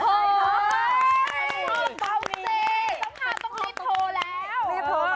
ต้องการต้องรีบโทรแล้ว